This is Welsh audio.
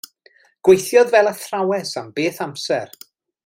Gweithiodd fel athrawes am beth amser.